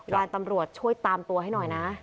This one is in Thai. ตำรวจช่วยตามตัวให้หน่อยนะ